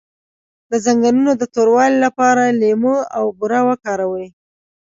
د زنګونونو د توروالي لپاره لیمو او بوره وکاروئ